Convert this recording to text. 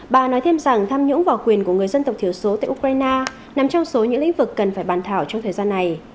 bà nói thêm rằng tham nhũng vào quyền của người dân tộc thiểu số tại ukraine nằm trong số những lĩnh vực cần phải bàn thảo trong thời gian này